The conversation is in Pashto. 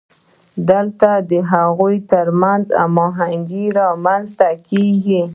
دلته د هغوی ترمنځ هماهنګي رامنځته کیږي.